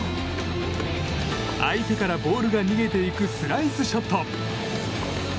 相手からボールが逃げていくスライスショット。